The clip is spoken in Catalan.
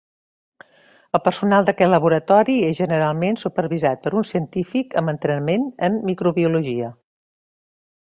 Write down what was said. El personal d’aquests laboratoris és generalment supervisat per un científic amb entrenament en microbiologia.